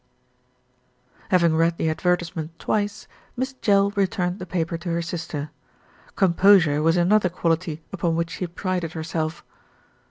Having read the advertisement twice, Miss Jell re turned the paper to her sister. Composure was another quality upon which she prided herself.